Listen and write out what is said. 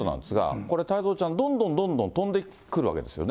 これ太蔵ちゃん、どんどんどんどん飛んでくるわけですよね。